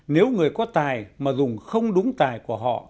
nếu người có tài mà dùng không đúng tài của họ